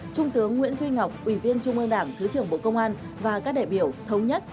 trung tướng nguyễn duy ngọc ủy viên trung ương đảng thứ trưởng bộ công an và các đại biểu thống nhất